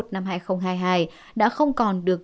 năm hai nghìn hai mươi hai đã không còn được